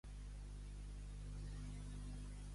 Ser una gitanada.